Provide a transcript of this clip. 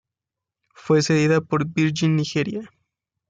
Fue sucedida por Virgin Nigeria.